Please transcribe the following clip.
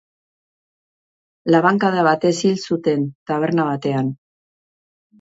Labankada batez hil zuten, taberna batean.